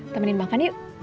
temenin makan yuk